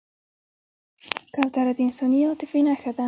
کوتره د انساني عاطفې نښه ده.